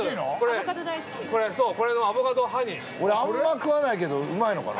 アボカド大好き俺あんま食わないけどうまいのかな？